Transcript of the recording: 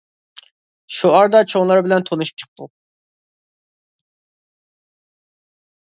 شۇ ئارىدا چوڭلار بىلەن تونۇشۇپ چىقتۇق.